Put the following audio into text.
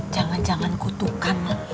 jangan jangan kutukan mak